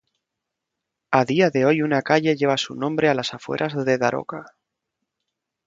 A día de hoy una calle lleva su nombre a las afueras de Daroca.